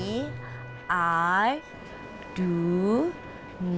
ih bukan idonat tapi i do not understand